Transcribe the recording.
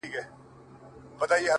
خو كله . كله مي بيا.